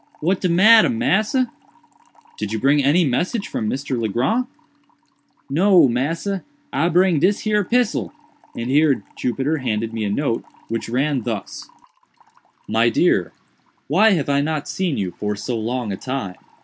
"What de matter, massa?" "Did you bring any message from Mr. Legrand?" "No, massa, I bring dis here pissel;" and here Jupiter handed me a note which ran thus: "MY DEAR ——Why have I not seen you for so long a time?